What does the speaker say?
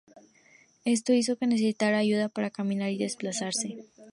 Esto hizo que necesitara ayuda para caminar y desplazarse.